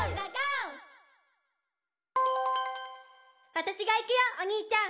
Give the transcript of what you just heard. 「わたしが行くよおにいちゃん」